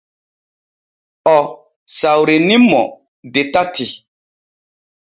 O sawrini mo de tati.